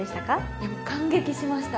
いやもう感激しました。